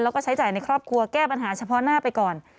แล้วก็ใช้จ่ายในครอบครัวแก้ปัญหาเฉพาะหน้าไปก่อน